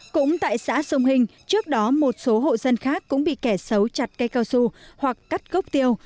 cũng tại xã sông hình trước đó một số hộ dân khác cũng bị kẻ xấu chặt cây cao su hoặc cắt gốc tiêu